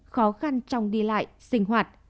khó khăn trong đi lại sinh hoạt